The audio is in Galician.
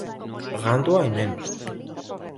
Gando hai menos.